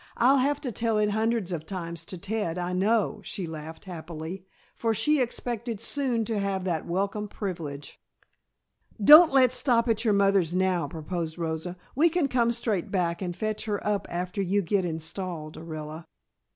"I'll have to tell it hundreds of times to Ted, I know," she laughed happily, for she expected soon to have that welcome privilege. "Don't let's stop at your mother's now," proposed Rosa. "We can come straight back and fetch her up after you get installed, Orilla.